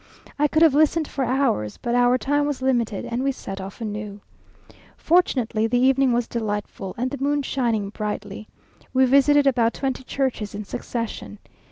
I could have listened for hours, but our time was limited, and we set off anew. Fortunately the evening was delightful, and the moon shining brightly. We visited about twenty churches in succession.